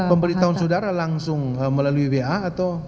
pemberitahuan saudara langsung melalui wa atau